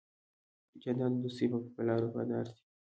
جانداد د دوستی په لار وفادار دی.